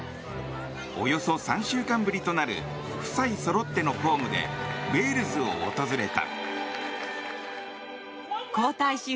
およそ３週間ぶりとなる夫妻そろっての公務でウェールズを訪れた。